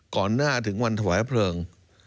ก่อนหน้าถึงวันถวายเพลิง